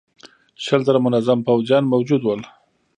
شل زره منظم پوځيان موجود ول.